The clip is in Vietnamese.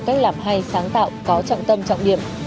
cách làm hay sáng tạo có trọng tâm trọng điểm